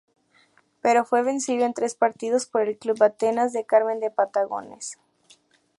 Pero fue vencido en tres partidos por el Club Atenas, de Carmen de Patagones.